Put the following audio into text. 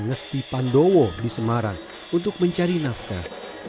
ngesti pandowo di semarang untuk mencari nafkah